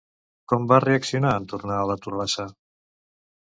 Com va reaccionar en tornar a la torrassa?